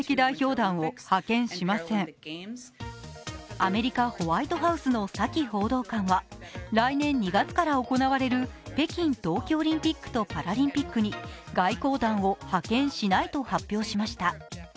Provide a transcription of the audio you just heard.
アメリカ・ホワイトハウスのサキ報道官は来年２月から行われる北京冬季オリンピックとパラリンピックに外交団を派遣しないと発表しました。